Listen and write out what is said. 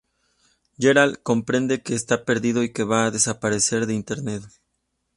Gerald comprende que está perdido y que va a desaparecer de Internet.